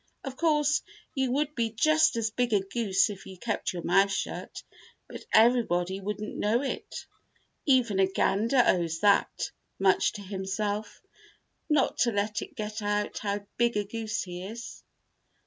Of course, you would be just as big a goose if you kept your mouth shut, but everybody wouldn't know it. Even a gander owes that much to himself: not to let it get out how big a goose he is."